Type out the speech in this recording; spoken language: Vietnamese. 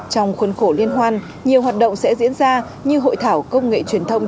trong khuôn khổ liên hoan nhiều hoạt động sẽ diễn ra như hội thảo công nghệ truyền thông